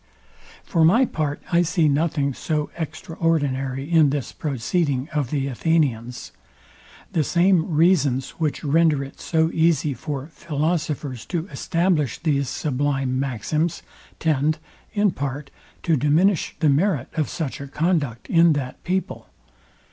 For my part I see nothing so extraordinary in this proceeding of the Athenians. The same reasons, which render it so easy for philosophers to establish these sublime maxims, tend, in part, to diminish the merit of such a conduct in that people.